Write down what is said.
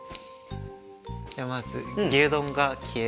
じゃあまず「牛丼が消える！？」ってとこに。